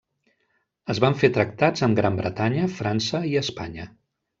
Es van fer tractats amb Gran Bretanya, França i Espanya.